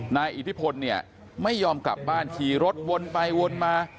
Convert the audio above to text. นายอิทธิพลไม่ยอมกลับบ้านขี่รถวนไปวนมา